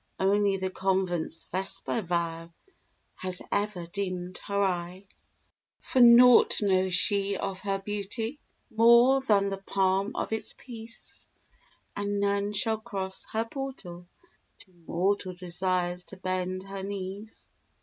Only the Convent's vesper vow Has ever dimmed her eye. For naught knows she of her beauty, More than the palm of its peace: And none shall cross her portal, to mortal Desires to bend her knees.